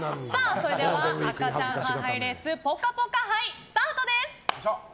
では、赤ちゃんハイハイレースぽかぽか杯スタートです！